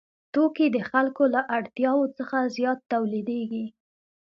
توکي د خلکو له اړتیاوو څخه زیات تولیدېږي